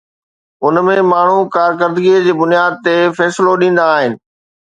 ان ۾ ماڻهو ڪارڪردگيءَ جي بنياد تي فيصلو ڏيندا آهن.